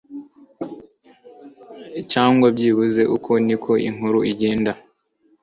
cyangwa byibuze uko niko inkuru igenda ..